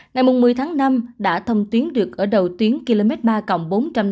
ngày một mươi tháng năm đã thông tuyến được ở đầu tuyến km ba bốn trăm năm mươi